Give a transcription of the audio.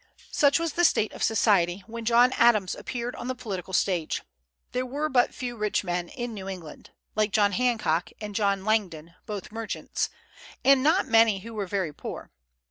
Such was the state of society when John Adams appeared on the political stage. There were but few rich men in New England, like John Hancock and John Langdon, both merchants, and not many who were very poor.